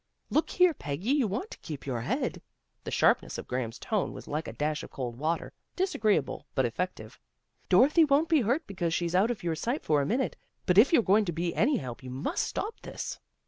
"" Look here, Peggy, you want to keep your head." The sharpness of Graham's tone was like a dash of cold water, disagreeable but effective. " Dorothy won't be hurt because she's out of your sight for a minute. But if you're going to be any help, you must stop this."